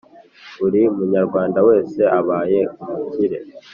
Buri munyarwanda wese abaye umukire